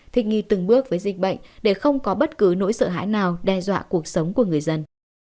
thích nghi từng bước với dịch bệnh để không có bất cứ nỗi sợ hãi nào đe dọa cuộc sống của người dân